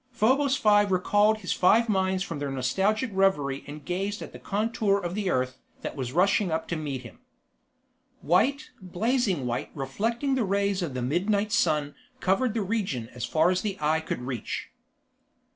Probos Five recalled his five minds from their nostalgic reverie and gazed at the contour of the Earth that was rushing up to meet him. White, blazing white reflecting the rays of the midnight sun covered the region as far as the eye could reach.